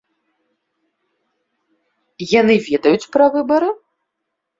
Яны ведаюць пра выбары?